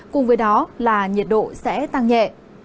cùng với đó là nhiệt độ sẽ tăng nhẹ